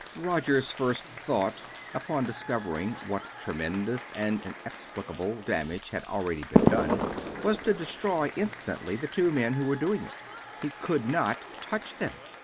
Roger's first thought, upon discovering what tremendous and inexplicable damage had already been done, was to destroy instantly the two men who were doing it. He could not touch them.